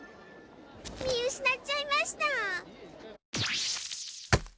見うしなっちゃいました！